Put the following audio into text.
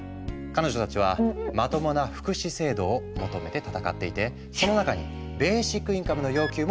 彼女たちはまともな福祉制度を求めて闘っていてその中にベーシックインカムの要求も含まれていたんだ。